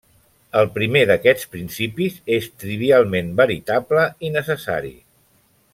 El primer d'aquests principis és trivialment veritable i necessari.